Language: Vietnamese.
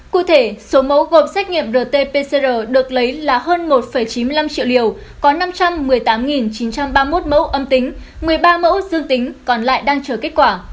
cụ thể số mẫu gộp xét nghiệm rt pcr được lấy là hơn một chín mươi năm triệu liều có năm trăm một mươi tám chín trăm ba mươi một mẫu âm tính một mươi ba mẫu dương tính còn lại đang chờ kết quả